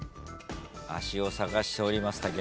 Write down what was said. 足を探しております